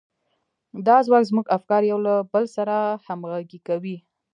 دا ځواک زموږ افکار يو له بل سره همغږي کوي.